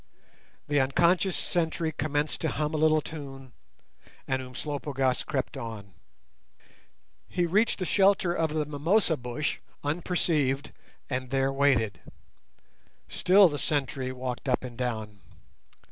The unconscious sentry commenced to hum a little tune, and Umslopogaas crept on. He reached the shelter of the mimosa bush unperceived and there waited. Still the sentry walked up and down.